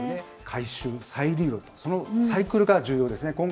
回収、再利用、そのサイクルが重要ですね。